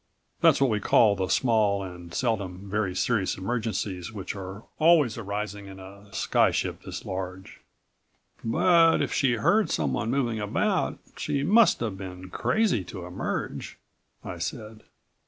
That's what we call the small and seldom very serious emergencies which are always arising in a sky ship this large." "But if she heard someone moving about ... she must have been crazy to emerge," I said.